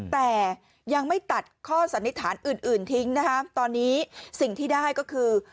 แต่ยังไม่ตัดข้อสันนิษฐานอื่นทิ้งนะคะตอนนี้สิ่งที่ได้ก็คือ